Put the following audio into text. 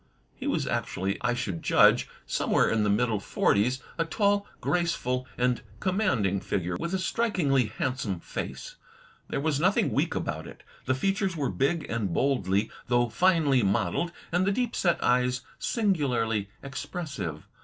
He was actually, I should judge, somewhere in the middle forties, a tall, graceful, and commanding figure, with a strikingly handsome face. There was l62 THE TECHNIQUE OF THE MYSTERY STORY nothing weak about it. The features were big and boldly, though finely, modeled, and the deep set eyes singularly expressive.